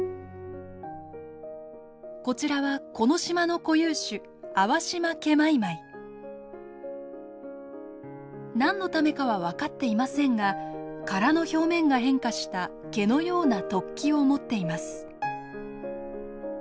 こちらはこの島の固有種何のためかは分かっていませんが殻の表面が変化した毛のような突起を持っています。